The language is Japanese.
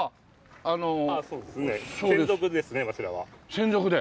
専属で？